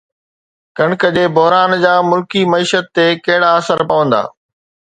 ڪڻڪ جي بحران جا ملڪي معيشت تي ڪهڙا اثر پوندا؟